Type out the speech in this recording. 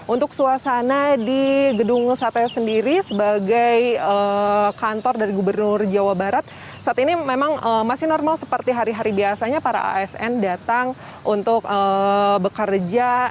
untuk suasana di gedung sate sendiri sebagai kantor dari gubernur jawa barat saat ini memang masih normal seperti hari hari biasanya para asn datang untuk bekerja